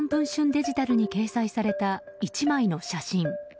デジタルに掲載された１枚の写真。